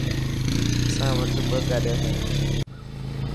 اسان وٽ ٻه گاڏي هي.